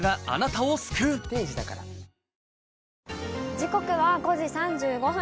時刻は５時３５分。